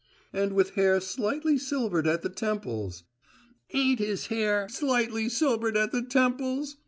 "And with `hair slightly silvered at the temples!' Ain't his hair slightly silvered at the temples?"